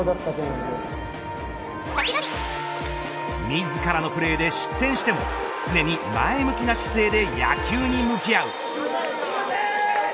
自らのプレーで失点しても常に前向きな姿勢で野球に向き合う。